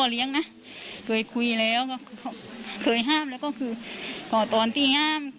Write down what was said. เลี้ยงนะเคยคุยแล้วก็เคยห้ามแล้วก็คือก่อตอนที่ห้าม